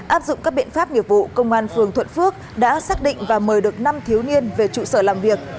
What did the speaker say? áp dụng các biện pháp nghiệp vụ công an phường thuận phước đã xác định và mời được năm thiếu niên về trụ sở làm việc